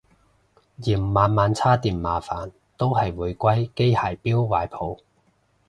嫌晚晚叉電麻煩都係回歸機械錶懷抱